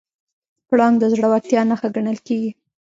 پړانګ د زړورتیا نښه ګڼل کېږي.